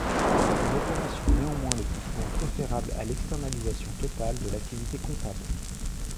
Une opération néanmoins le plus souvent préférable à l'externalisation totale de l'activité comptable.